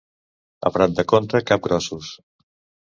A Prat de Comte, capgrossos.